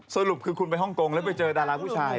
สรุปคือคุณไปฮ่องกงแล้วไปเจอดาราผู้ชาย